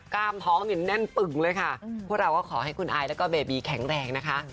กล้ามท้องเนี่ยแน่นปึ่งเลยค่ะพวกเราก็ขอให้คุณอายแล้วก็เบบีแข็งแรงนะคะ